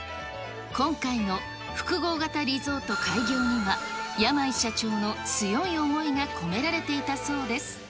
今回の複合型リゾート開業には、山井社長の強い思いが込められていたそうです。